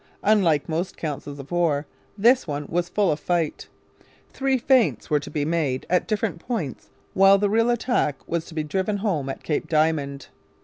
Unlike most councils of war this one was full of fight. Three feints were to be made at different points while the real attack was to be driven home at Cape Diamond.